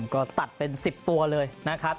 ก็ตัดเป็น๑๐ตัวเลยนะครับ